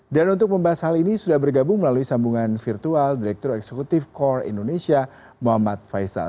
dan untuk membahas hal ini sudah bergabung melalui sambungan virtual direktur eksekutif kor indonesia muhammad faisal